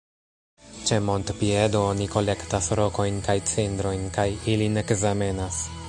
Ĉe montpiedo oni kolektas rokojn kaj cindrojn kaj ilin ekzamenas.